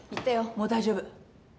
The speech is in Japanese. もう大丈夫。